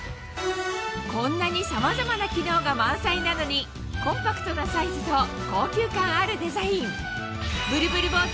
こんなにさまざまな機能が満載なのにコンパクトなサイズと高級感あるデザインなんですが。